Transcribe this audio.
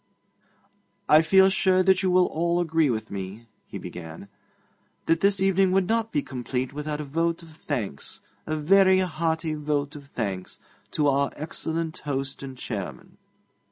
'I feel sure you will all agree with me,' he began, 'that this evening would not be complete without a vote of thanks a very hearty vote of thanks to our excellent host and chairman.'